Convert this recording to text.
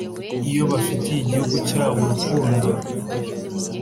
Iyo bafitiye igihugu cyabo urukundo